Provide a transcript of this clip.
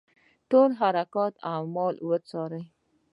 ټول حرکات او اعمال وڅاري.